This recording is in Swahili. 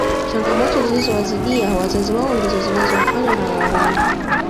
Changamoto zilizo wazidia wazazi wao ndizo zinawafanya wanalalama